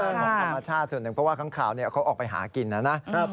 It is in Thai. ความมหัศจรรย์ส่วนหนึ่งเพราะว่าครั้งข่าวนี้เขาออกไปหากินนะ